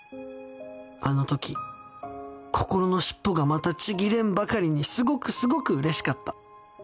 あの時心のシッポがまた千切れんばかりにすごくすごく嬉しかった。